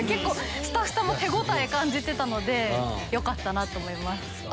スタッフさんも手応え感じてたのでよかったと思います。